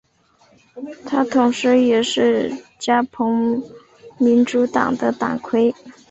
他同时也是加蓬民主党的党魁。